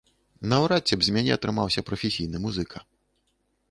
Наўрад ці б з мяне атрымаўся прафесійны музыка.